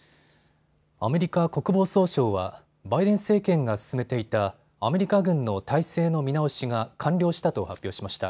アメリカ国防総省はバイデン政権が進めていたアメリカ軍の態勢の見直しが完了したと発表しました。